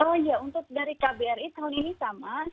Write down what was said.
oh iya untuk dari kbri tahun ini sama